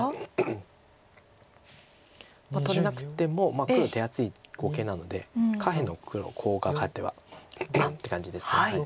取れなくても黒手厚い碁形なので下辺の黒コウが勝てばって感じです。